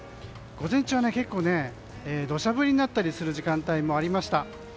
午前中は結構、土砂降りになったりする時間帯もありました。